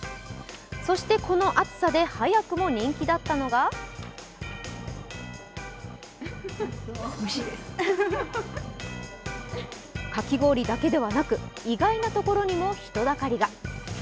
そして、この暑さで早くも人気だったのがかき氷だけではなく、意外なところにも人だかりが。